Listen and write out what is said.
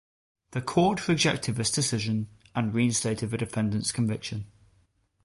The Court rejected this decision and reinstated the defendant's conviction.